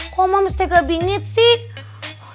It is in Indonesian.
kok mams tega bingit sih